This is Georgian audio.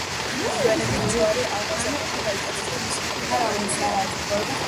მოგვიანებით, ჯვარი ავაზაკებმა გაიტაცეს და მისი კვალი დაკარგულია.